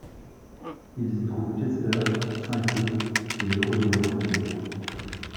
Ils y trouvent Chester, sain et sauf, et heureux de les retrouver.